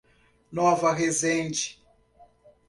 Nova Resende